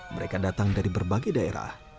mereka datang dari berbagai daerah